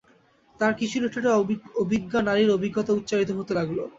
তার কিশোরী ঠোঁটে অভিজ্ঞা নারীর অভিজ্ঞতা উচ্চারিত হতে লাগল।